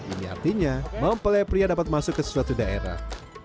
ini artinya mempelai pria dapat masuk ke suatu daerah